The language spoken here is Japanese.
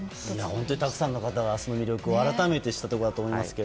本当にたくさんの方がその魅力を改めて知ったところだと思いますが。